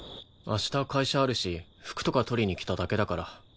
明日会社あるし服とか取りに来ただけだから。